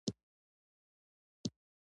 دا چې ما بیځایه قضاوت وکړ، نو زه بښنه غواړم.